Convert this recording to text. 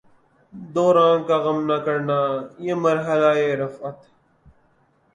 دوراں کا غم نہ کرنا، یہ مرحلہ ء رفعت